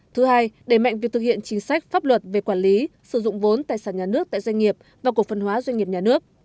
thứ hai đẩy mạnh việc thực hiện chính sách pháp luật về quản lý sử dụng vốn tài sản nhà nước tại doanh nghiệp và cổ phân hóa doanh nghiệp nhà nước